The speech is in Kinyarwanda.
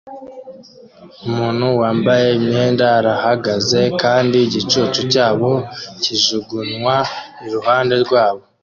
Umuntu wambaye imyenda arahagaze kandi igicucu cyabo kijugunywa iruhande rwabo